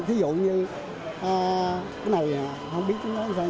thí dụ như cái này không biết chúng nó làm sao